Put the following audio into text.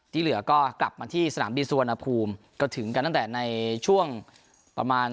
ที่เหลือก็กลับมาที่สนามบินสุวรรณภูมิก็ถึงกันตั้งแต่ในช่วงประมาณ